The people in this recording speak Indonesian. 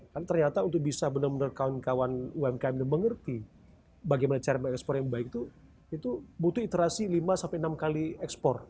kan ternyata untuk bisa benar benar kawan kawan umkm ini mengerti bagaimana cara mengekspor yang baik itu itu butuh iterasi lima sampai enam kali ekspor